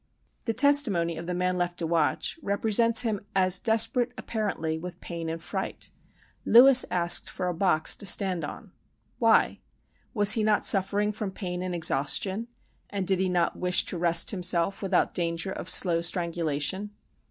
The testimony of the man left to watch represents him as desperate, apparently, with pain and fright. "Lewis asked for a box to stand on:" why? Was he not suffering from pain and exhaustion, and did he not wish to rest himself, without danger of slow strangulation?